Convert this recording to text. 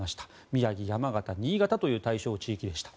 宮城、山形、新潟という対象地域でした。